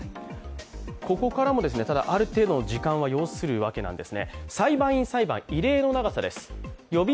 ここからも、ある程度の時間は要するわけです。